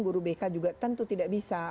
guru bk juga tentu tidak bisa